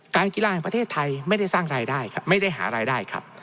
กีฬาแห่งประเทศไทยไม่ได้สร้างรายได้ครับไม่ได้หารายได้ครับ